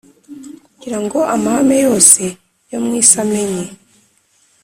Kugira ngo amahanga yose yo mu isi amenye